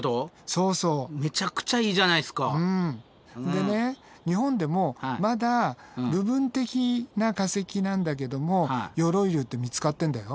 でね日本でもまだ部分的な化石なんだけども鎧竜って見つかってんだよ。